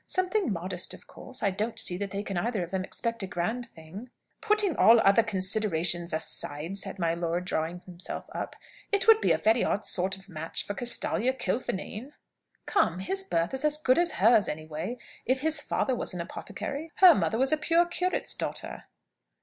Something modest, of course. I don't see that they can either of them expect a grand thing." "Putting all other considerations aside," said my lord, drawing himself up, "it would be a very odd sort of match for Castalia Kilfinane." "Come! his birth is as good as hers, any way. If his father was an apothecary, her mother was a poor curate's daughter."